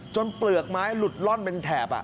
เปลือกไม้หลุดล่อนเป็นแถบ